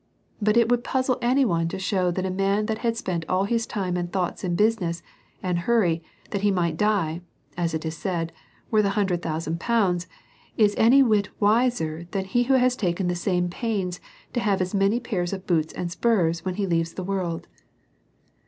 But it would puzzle any one to shew, that a man that has spent all his time and thoughts in business and hurry, that he might die, as it is said, worth an hundred thou sand pounds, is any whit wiser than he who has taken the same pains to have as many pairs of boots and spurs when he leaves the world.